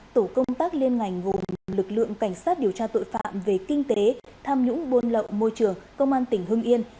tổ công tác liên ngành gồm lực lượng cảnh sát điều tra tội phạm về kinh tế tham nhũng buôn lậu môi trường công an tỉnh hưng yên